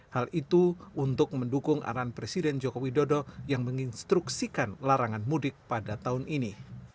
hal itu untuk mendukung arahan presiden joko widodo yang menginstruksikan larangan mudik pada tahun ini